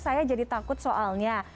saya jadi takut soalnya